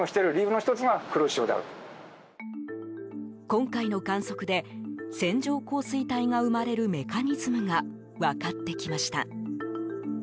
今回の観測で線状降水帯が生まれるメカニズムが分かってきました。